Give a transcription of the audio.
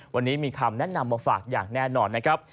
วันนี้มีคำแนะนำมาฝากอย่างแน่นอนนะครับ